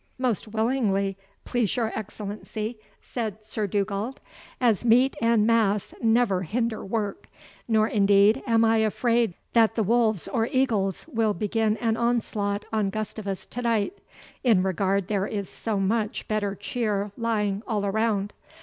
"Most willingly, please your Excellency," said Sir Dugald; "as meat and mass never hinder work. Nor, indeed, am I afraid that the wolves or eagles will begin an onslaught on Gustavus to night, in regard there is so much better cheer lying all around.